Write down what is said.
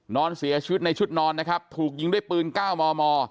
นอนเสียชุดในชุดนอนนะครับถูกยิงด้วยปืนก้าวมอมอ